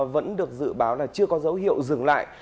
vẫn được dự báo là chưa có dấu hiệu dừng lại